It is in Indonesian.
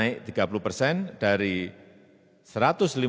nilainya naik tiga puluh persen dari rp satu ratus lima puluh menjadi rp dua ratus